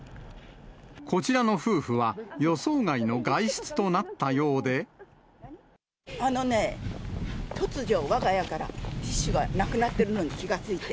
こちらの夫婦は、予想外の外出とあのね、突如、わが家からティッシュがなくなってるのに気が付いて。